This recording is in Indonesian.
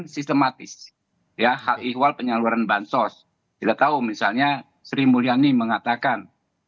sistematis ya hal ihwal penyaluran bansos kita tahu misalnya sri mulyani mengatakan